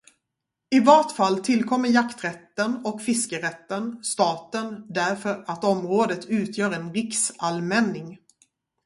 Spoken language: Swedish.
I vart fall tillkommer jakträtten och fiskerätten staten därför att området utgör en riksallmänning.